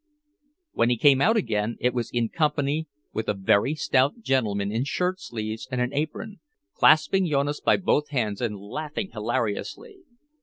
When he came out again it was in company with a very stout gentleman in shirt sleeves and an apron, clasping Jonas by both hands and laughing hilariously.